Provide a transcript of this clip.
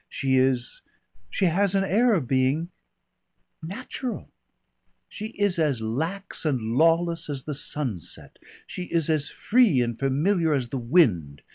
She is she has an air of being natural. She is as lax and lawless as the sunset, she is as free and familiar as the wind.